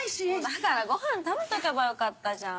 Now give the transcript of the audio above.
だからごはん食べとけばよかったじゃん。